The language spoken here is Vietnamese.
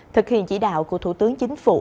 thực hiện chỉ đạo của thủ tướng chính phủ